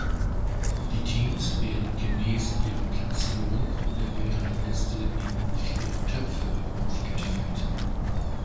Die Teams werden gemäß ihrer Platzierung in der Weltrangliste in vier Töpfe aufgeteilt.